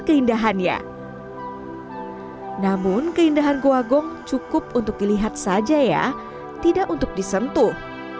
keindahannya namun keindahan goa gong cukup untuk dilihat saja ya tidak untuk disentuh